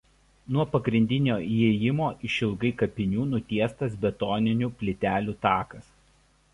Nuo pagrindinio įėjimo išilgai kapinių nutiestas betoninių plytelių takas.